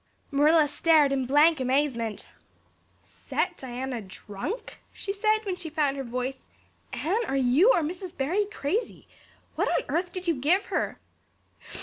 Marilla stared in blank amazement. "Set Diana drunk!" she said when she found her voice. "Anne are you or Mrs. Barry crazy? What on earth did you give her?"